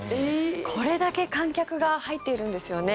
これだけ観客が入っているんですよね。